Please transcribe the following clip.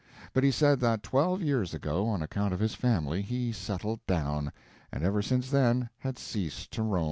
But he said that twelve years ago, on account of his family, he "settled down," and ever since then had ceased to roam.